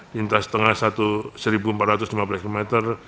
lintas tengah satu empat ratus lima puluh kilometer